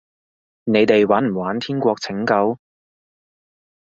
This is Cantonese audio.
你哋玩唔玩天國拯救？